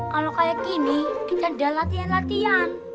kalau kayak gini kita ada latihan latihan